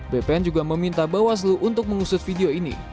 bpn juga meminta bawaslu untuk mengusut video ini